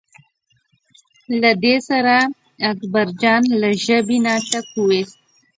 له دې سره اکبرجان له ژبې نه ټک وویست.